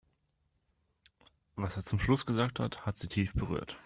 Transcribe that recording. Was er zum Schluss gesagt hat, hat sie tief berührt.